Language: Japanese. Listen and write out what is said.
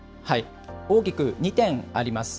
大きく２点あります。